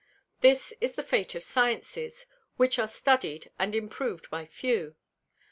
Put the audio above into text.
This is the Fate of Sciences, which are study'd and improv'd by few.